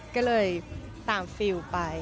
ก็เลยตามฟิลไป